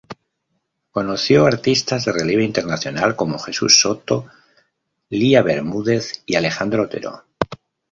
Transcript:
Conoció artistas de relieve internacional, como Jesús Soto, Lía Bermúdez y Alejandro Otero.